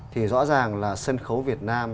thì rõ ràng là sân khấu việt nam